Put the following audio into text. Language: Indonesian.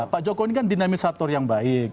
pak jokowi ini kan dinamisator yang baik